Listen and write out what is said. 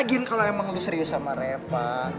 lagian kalau emang lo serius sama reva